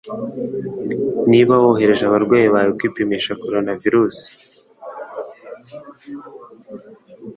Niba wohereje abarwayi bawe kwipimisha coronavirus.